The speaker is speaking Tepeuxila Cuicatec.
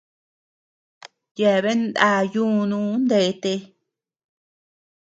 Tebean naa yuunu ndete.